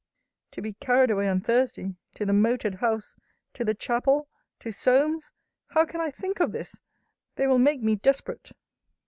To be carried away on Thursday To the moated house To the chapel To Solmes! How can I think of this! They will make me desperate.